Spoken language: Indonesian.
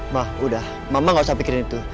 mah udah mama gak usah pikirin itu